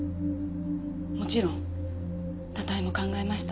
もちろん堕胎も考えました。